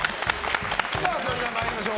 それでは参りましょう。